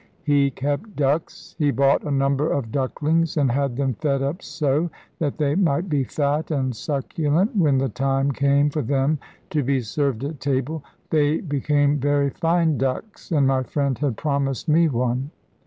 He kept ducks. He bought a number of ducklings, and had them fed up so that they might be fat and succulent when the time came for them to be served at table. They became very fine ducks, and my friend had promised me one.